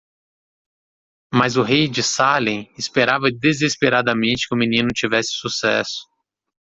Mas o rei de Salem esperava desesperadamente que o menino tivesse sucesso.